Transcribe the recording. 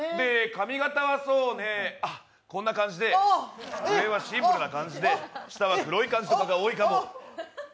髪形は、こんな感じで上はシンプルな感じで下は黒いパンツとかが多いかも。